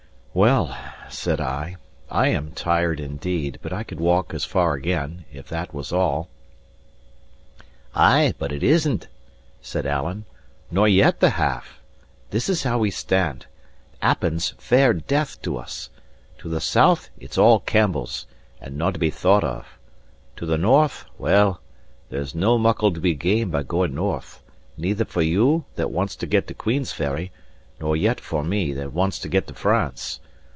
"Well," said I, "I am tired indeed, but I could walk as far again, if that was all." "Ay, but it isnae," said Alan, "nor yet the half. This is how we stand: Appin's fair death to us. To the south it's all Campbells, and no to be thought of. To the north; well, there's no muckle to be gained by going north; neither for you, that wants to get to Queensferry, nor yet for me, that wants to get to France.